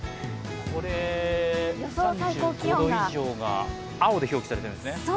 これ、３５度以上が青で表記されているんですね。